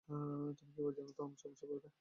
তুমি কিভাবে জানো আমার সমস্যার ব্যাপারে?